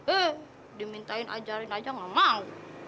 eh dimintain ajarin aja gak mau